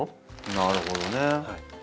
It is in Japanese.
なるほどね。